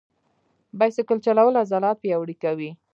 بایسکل چلول عضلات پیاوړي کوي.